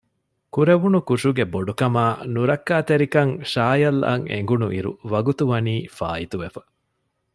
ކުރެވުނު ކުށުގެ ބޮޑުކަމާއި ނުރައްކާތެރިކަން ޝާޔަލްއަށް އެނގުނުއިރު ވަގުތުވަނީ ފާއިތުވެފަ